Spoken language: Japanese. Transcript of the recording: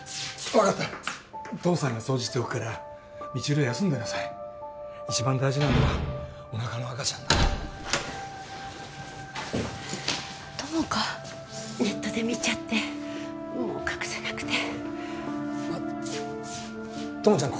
分かった父さんが掃除しておくから未知留は休んでなさい一番大事なのはおなかの赤ちゃんだから友果ネットで見ちゃってもう隠せなくて友ちゃん